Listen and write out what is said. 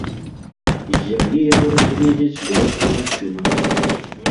З зямлі яго разгледзець было б немагчыма.